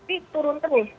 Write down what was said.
ini turun terus